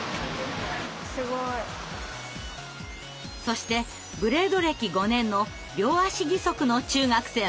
そしてブレード歴５年の両足義足の中学生も。